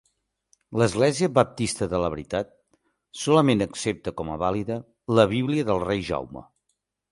L'Església Baptista de la Veritat, solament accepta com a vàlida la Bíblia del Rei Jaume.